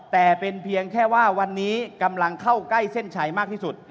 แต่เป็นเพียงแค่ว่าวันนี้กำลังเข้าใกล้เส้นชัยมากที่สุด